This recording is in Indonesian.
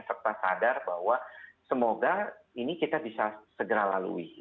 serta sadar bahwa semoga ini kita bisa segera lalui